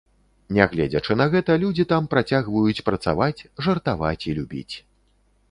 Нягледзячы на гэта, людзі там працягваюць працаваць, жартаваць і любіць.